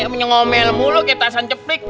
kamu nyengomel mulu kayak tasan ceplik